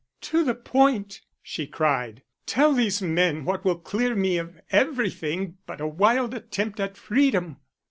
"To the point," she cried, "tell these men what will clear me of everything but a wild attempt at freedom."